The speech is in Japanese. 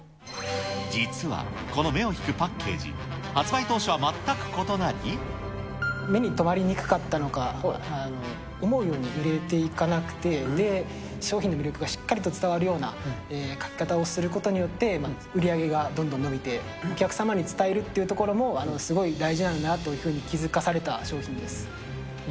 実はこの目を引くパッケージ、目に留まりにくかったのか、思うように売れていかなくて、で、商品の魅力がしっかりと伝わるような書き方をすることによって、売り上げがどんどん伸びて、お客様に伝えるというところもすごい大事なんだなというふうに気うん。